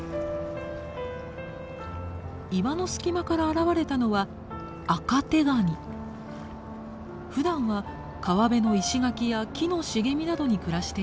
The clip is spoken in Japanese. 岩の隙間から現れたのはふだんは川辺の石垣や木の茂みなどに暮らしています。